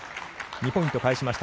２ポイント返しました